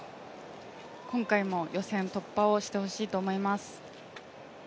今回も予選突破をしてほしいと思います。